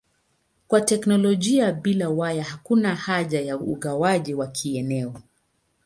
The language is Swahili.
Kwa teknolojia bila waya hakuna haja ya ugawaji wa kieneo.